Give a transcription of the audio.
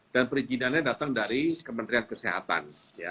dan perizinannya datang dari kementerian kesehatan